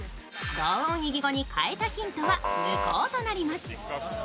同音異義語に変えたヒントは無効となります。